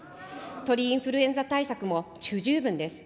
鳥インフルエンザ対策も不十分です。